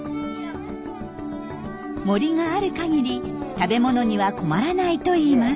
森がある限り食べ物には困らないといいます。